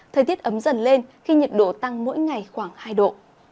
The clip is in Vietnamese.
thời tiết ấm dần lên khi nhiệt độ tăng mỗi ngày khoảng hai độ